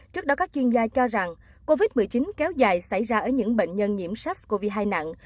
trước đó các chuyên gia cho rằng covid một mươi chín kéo dài xảy ra ở những bệnh nhân nhiễm sars cov hai nặng